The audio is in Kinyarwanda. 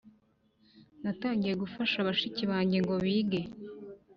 natangiye gufasha bashiki bange ngo bige.